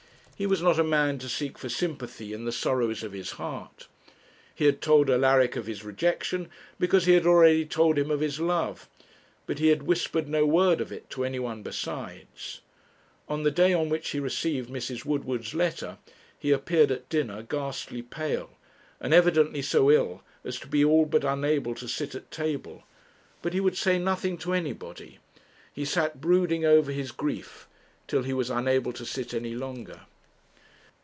He was not a man to seek for sympathy in the sorrows of his heart. He had told Alaric of his rejection, because he had already told him of his love, but he had whispered no word of it to anyone besides. On the day on which he received Mrs. Woodward's letter, he appeared at dinner ghastly pale, and evidently so ill as to be all but unable to sit at table; but he would say nothing to anybody; he sat brooding over his grief till he was unable to sit any longer.